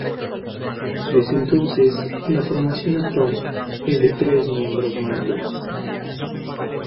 Desde entonces, la formación actual es de tres miembros mas dos.